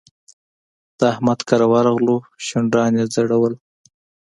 د احمد کره ورغلو؛ شونډان يې ځړول.